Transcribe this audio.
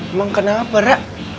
emang kenapa ra